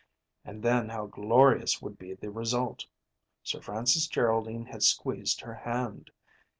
And then how glorious would be the result! Sir Francis Geraldine had squeezed her hand.